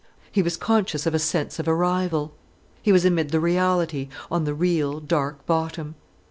He was conscious of a sense of arrival. He was amid the reality, on the real, dark bottom.